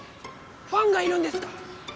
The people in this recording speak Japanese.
ファンがいるんですか？